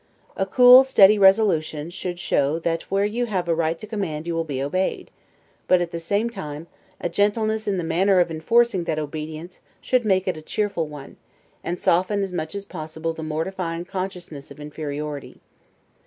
A cool, steady resolution should show that where you have a right to command you will be obeyed; but at the same time, a gentleness in the manner of enforcing that obedience should make it a cheerful one, and soften as much as possible the mortifying consciousness of inferiority.